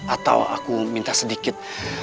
atau aku minta sedikit